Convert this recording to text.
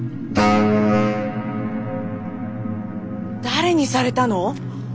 誰にされたの？